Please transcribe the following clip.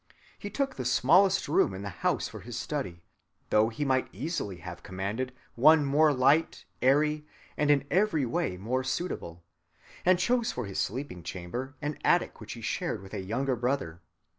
He took the smallest room in the house for his study, though he might easily have commanded one more light, airy, and in every way more suitable; and chose for his sleeping chamber an attic which he shared with a younger brother.